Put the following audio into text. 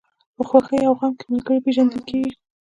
په خوښۍ او غم کې ملګری پېژندل کېږي.